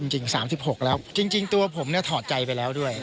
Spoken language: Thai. จริง๓๖แล้วจริงตัวผมเนี่ยถอดใจไปแล้วด้วย